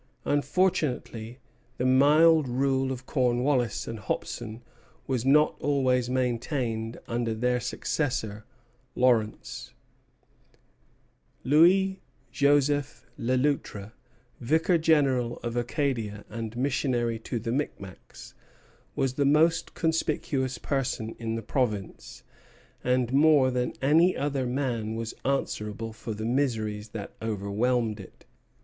Unfortunately, the mild rule of Cornwallis and Hopson was not always maintained under their successor, Lawrence. Public Documents of Nova Scotia, 197. Louis Joseph Le Loutre, vicar general of Acadia and missionary to the Micmacs, was the most conspicuous person in the province, and more than any other man was answerable for the miseries that overwhelmed it.